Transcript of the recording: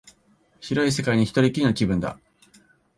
広い世界に一人きりの気分だ